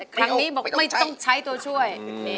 ครั้งนี้บอกไม่ต้องใช้ตัวช่วย